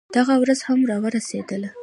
دغه ورځ هم راورسېدله.